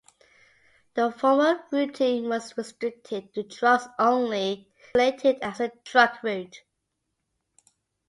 The former routing was restricted to trucks only and designated as a truck route.